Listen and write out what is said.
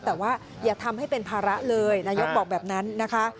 แต่ว่าอย่าทำให้เป็นภาระเลยนายกบอกแบบนั้นนะคะ